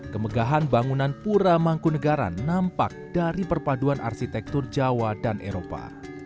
kemegahan bangunan pura mangkunegaran nampak dari perpaduan arsitektur jawa dan eropa